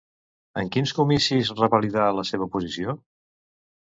En quins comicis revalidà la seva posició?